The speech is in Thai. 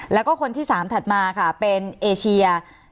แล้วก็คนที่๓ถัดมาค่ะเป็นเอเชีย